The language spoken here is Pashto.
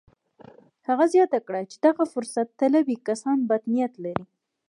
هغه زياته کړه چې دغه فرصت طلبي کسان بد نيت لري.